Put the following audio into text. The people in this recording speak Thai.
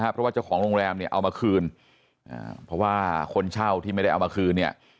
เพราะว่าเจ้าของโรงแรมเนี่ยเอามาคืนเพราะว่าคนเช่าที่ไม่ได้เอามาคืนเนี่ย